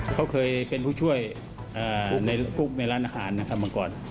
เขาเคยเป็นผู้ช่วยในกุ๊กในร้านอาหารนะครับมาก่อน